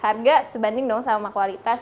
harga sebanding dong sama kualitas